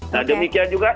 nah demikian juga